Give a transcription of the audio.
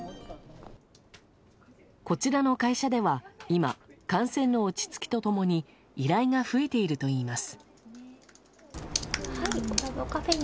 こちらの会社では今、感染の落ち着きと共に依頼が増えているといいます。